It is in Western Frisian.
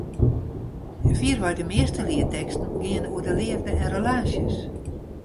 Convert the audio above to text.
Fierwei de measte lietteksten geane oer de leafde en relaasjes.